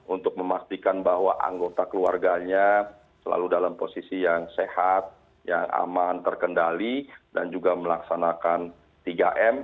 untuk memastikan bahwa anggota keluarganya selalu dalam posisi yang sehat yang aman terkendali dan juga melaksanakan tiga m